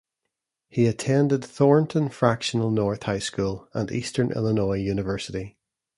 He attended Thornton Fractional North High School and Eastern Illinois University.